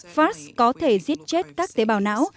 fasd có thể giết chết các tế bào não